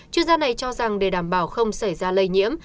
chuyên gia này cho rằng để đảm bảo không xảy ra lây nhiễm